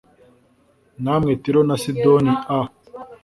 namwe tiro na sidoni a